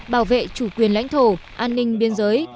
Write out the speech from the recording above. bảo vệ chủ quyền lãnh thổ an ninh biên giới